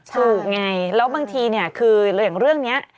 ถูกไงแล้วบางทีเนี่ยคืออย่างเรื่องนี้